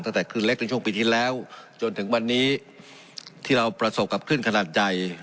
ตั้งแต่ขึ้นเล็กในช่วงปีที่แล้วจนถึงวันนี้ที่เราประสบกับคลื่นขนาดใหญ่